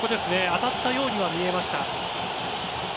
当たったようには見えました。